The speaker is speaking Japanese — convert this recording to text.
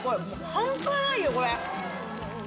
半端ないよこれ。